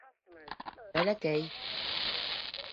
Бәләкәй